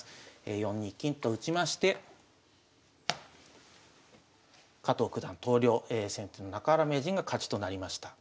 ４二金と打ちまして加藤九段投了先手の中原名人が勝ちとなりました。